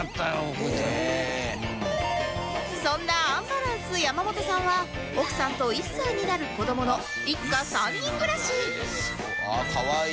そんなアンバランス山本さんは奥さんと１歳になる子どもの一家３人暮らしあっかわいい。